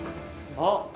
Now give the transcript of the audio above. ◆あっ！